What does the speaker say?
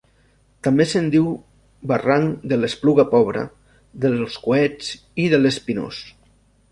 També se n'hi diu Barranc de l'Espluga Pobra, dels Coets i de l'Espinós.